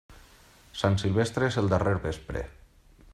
Sant Silvestre és el darrer vespre.